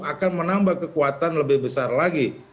akan menambah kekuatan lebih besar lagi